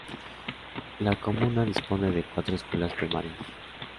La comuna dispone de cuatro escuelas primarias.